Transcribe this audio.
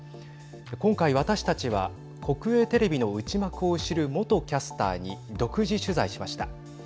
今回、私たちは国営テレビの内幕を知る元キャスターに独自取材しました。